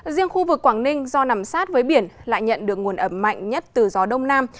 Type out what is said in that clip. riêng khu vực quảng ninh do nằm sát với biển lại nhận được nguồn ẩm mạnh nhất từ gió đông nam